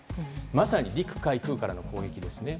まさに陸海空からの攻撃です。